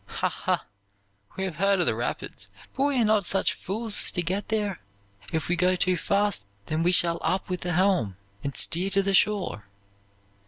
'Ha! ha! we have heard of the rapids, but we are not such fools as to get there. If we go too fast, then we shall up with the helm, and steer to the shore.